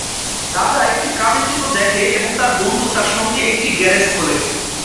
রাজা একটি কাজের জন্য দেখে এবং তার বন্ধু তার সঙ্গে একটি গ্যারেজ খোলে।